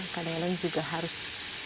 kadang kadang juga harus